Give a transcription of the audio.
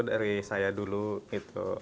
dari saya dulu gitu